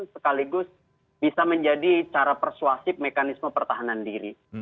sekaligus bisa menjadi cara persuasif mekanisme pertahanan diri